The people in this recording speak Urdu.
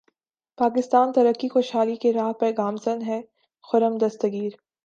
پاکستان ترقی خوشحالی کی راہ پر گامزن ہے خرم دستگیر